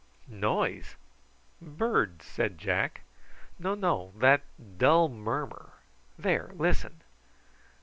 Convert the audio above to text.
"Noise! Birds," said Jack. "No, no! That dull murmur. There, listen!"